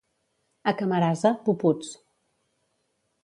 A Camarasa, puputs.